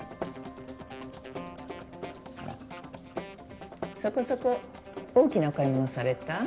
あらそこそこ大きなお買い物された？